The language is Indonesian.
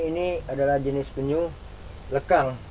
ini adalah jenis penyuh lekal